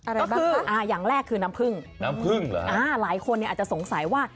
อะไรบ้างคะอ่ะอย่างแรกคือน้ำผึ้งอ่าหลายคนอาจจะสงสัยว่า